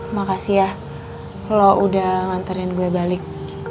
makasih ya kalau udah nganterin gue balik